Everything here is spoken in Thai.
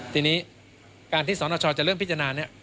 ทีนี้การที่สนชจะเริ่มพิจารณาเนี่ย